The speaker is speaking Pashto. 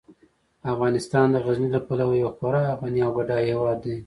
افغانستان د غزني له پلوه یو خورا غني او بډایه هیواد دی.